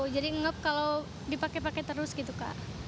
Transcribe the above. jadi ngelup kalau dipakai pakai terus gitu kak